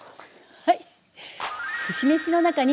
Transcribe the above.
はい。